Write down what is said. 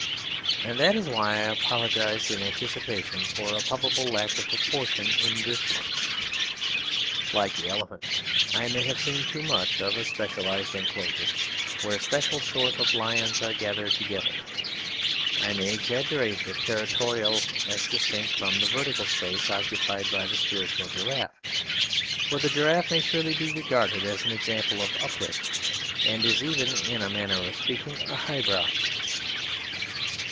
And that is why I apologise in anticipation for a probable lack of proportion in this work. Like the elephant, I may have seen too much of a special enclosure where a special sort of lions are gathered together. I may exaggerate the territorial, as distinct from the vertical space occupied by the spiritual giraffe; for the giraffe may surely be regarded as an example of Uplift, and is even, in a manner of speaking, a high brow.